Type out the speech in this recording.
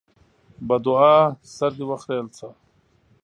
بدوعا: سر دې وخرېيل شه!